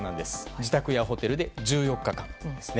自宅やホテルで１４日間ですね。